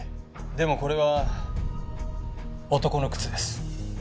でもこれは男の靴です。